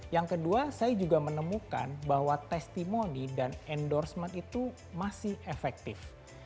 yang kedua saya juga menemukan bahwa testimoni dan endorsement itu masih efektif